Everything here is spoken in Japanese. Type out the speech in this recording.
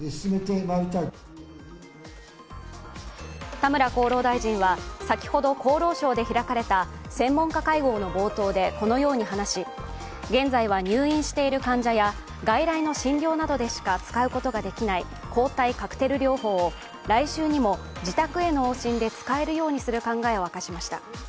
田村厚労大臣は先ほど厚労省で開かれた専門家会合の冒頭でこのように話し現在は入院している患者や外来の診療などでしか使うことができない抗体カクテル療法を来週にも、自宅への往診で使えるようにする考えを明かしました。